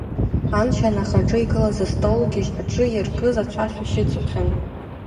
Аншьан ахаҿы игылаз астол гьыжь аҿы иаркыз ацәацәашь ыцәахьан.